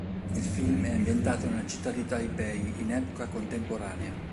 Il film è ambientato nella città di Taipei, in epoca contemporanea.